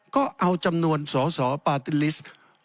ก็เอาจำนวนสอสอปาร์ตี้ลิสต์